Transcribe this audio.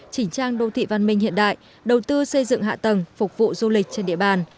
chỉnh trang đô thị văn minh hiện đại đầu tư xây dựng hạ tầng phục vụ du lịch trên địa bàn